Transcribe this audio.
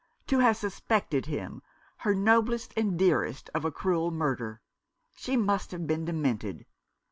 To have suspected him, her noblest and dearest, of a cruel murder ! She must have been demented.